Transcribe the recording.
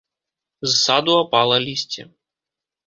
З саду апала лісце.